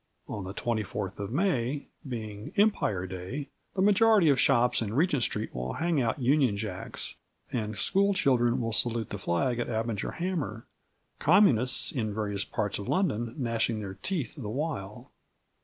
On the 24th of May, being Empire Day, the majority of shops in Regent Street will hang out Union Jacks, and school children will salute the flag at Abinger Hammer, Communists in various parts of London gnashing their teeth the while.